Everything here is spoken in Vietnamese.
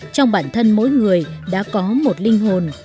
trong bản thân mỗi người đã có một linh hồn